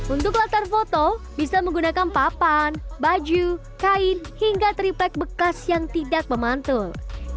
untuk latar foto bisa menggunakan papan baju kain hingga triplek bekas yang tidak memantul